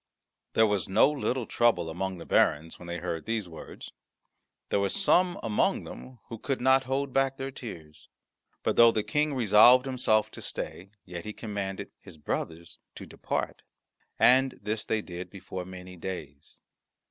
There was no little trouble among the barons when they heard these words. There were some among them who could not hold back their tears. But though the King resolved himself to stay, yet he commanded his brothers to depart. And this they did before many days.